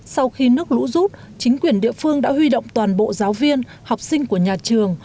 sau khi nước lũ rút chính quyền địa phương đã huy động toàn bộ giáo viên học sinh của nhà trường